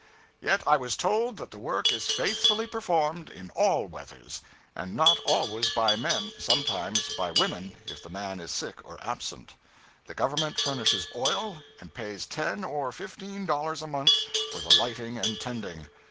Yet I was told that the work is faithfully performed, in all weathers; and not always by men, sometimes by women, if the man is sick or absent. The Government furnishes oil, and pays ten or fifteen dollars a month for the lighting and tending.